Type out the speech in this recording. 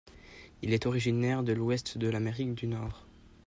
Il est originaire de l'ouest de l'Amérique du Nord.